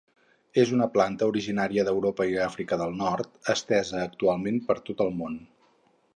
És una planta originària d'Europa i Àfrica del Nord estesa actualment per tot el món.